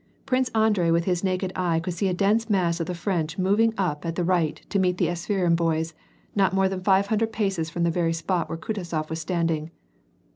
Prince Andrei with his naked eye could see a dense mass of the French moving up at the right to meet the Apsheron boys, not more than five hundred paces from the veiy spot where Kutuzof was standing.